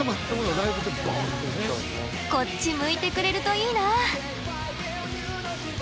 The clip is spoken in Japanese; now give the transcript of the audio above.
こっち向いてくれるといいな。